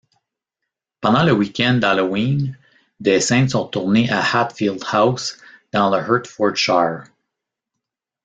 Pendant le week-end d'Halloween, des scènes sont tournées à Hatfield House, dans le Hertfordshire.